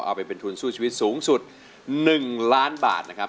เอาไปเป็นทุนสู้ชีวิตสูงสุด๑ล้านบาทนะครับ